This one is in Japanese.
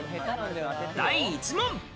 第１問。